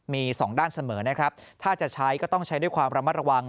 มีสองด้านเสมอนะครับถ้าจะใช้ก็ต้องใช้ด้วยความระมัดระวัง